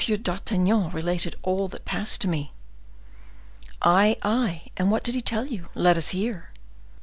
d'Artagnan related all that passed to me." "Ay, ay! and what did he tell you? Let us hear."